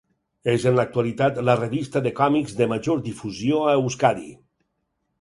És en l'actualitat la revista de còmics de major difusió a Euskadi.